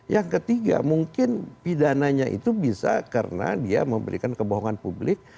yang ketiga mungkin pidananya itu bisa karena dia memberikan kebohongan publik